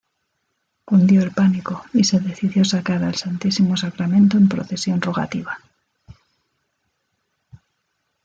Cundió el pánico y se decidió sacar al Santísimo Sacramento en procesión rogativa.